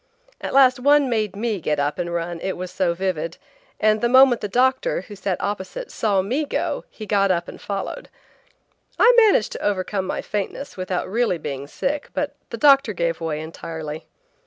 At last one made me get up and run, it was so vivid, and the moment the doctor, who sat opposite, saw me go he got up and followed. I managed to overcome my faintness without really being sick, but the doctor gave way entirely.